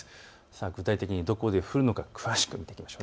具体的にどこで降るのか詳しく見てみましょう。